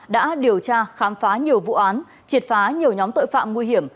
đã điều tra khám phá nhiều vụ án triệt phá nhiều nhóm tội phạm nguy hiểm